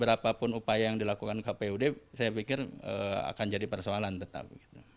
berapapun upaya yang dilakukan kpud saya pikir akan jadi persoalan tetap